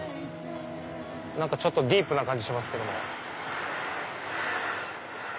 ちょっとディープな感じしますけども。